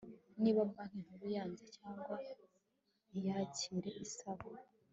niba banki nkuru yanze cyangwa ntiyakire isaba